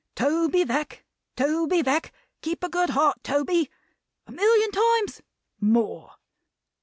Toby Veck, Toby Veck, keep a good heart Toby!' A million times? More!"